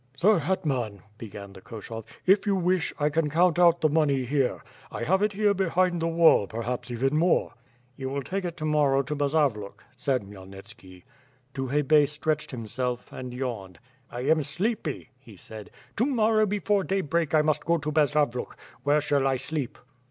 "Sir hetman," began the Koshov, "if you wish, I can count out the monc v here. I have it here behind the wall, perhaps even more." "You will take it to morrow to Bazavluk," said Khmyel nitski. Tukhay Bey stretched himself, and yawned. "I am sleepy," he said, "to morrow before dayVreak I must go to Bazavluk. Where shall I sleep?"